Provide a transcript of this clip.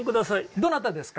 どなたですか。